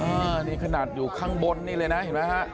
นี่ขนาดอยู่ข้างบนนี่เลยนะเห็นไหมฮะ